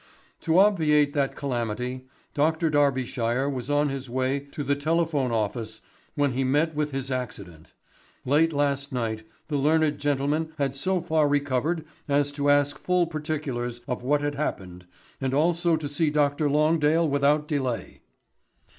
"To obviate that calamity Dr. Darbyshire was on his way to the Telephone office when he met with his accident. Late last night the learned gentleman had so far recovered as to ask full particulars of what had happened and also to see Dr. Longdale without delay.